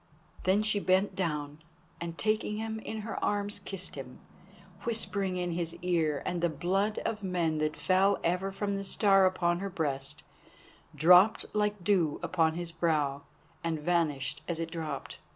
Then she bent down, and taking him in her arms, kissed him, whispering in his ear, and the blood of men that fell ever from the Star upon her breast, dropped like dew upon his brow, and vanished as it dropped.